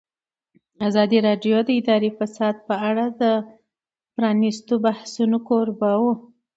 ازادي راډیو د اداري فساد په اړه د پرانیستو بحثونو کوربه وه.